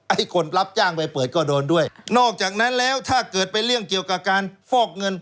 ไอ้คนรับจ้างไปเปิดก็โดนด้วยนอกจากนั้นแล้วถ้าเกิดเป็นเรื่องเกี่ยวกับการฟอกเงิน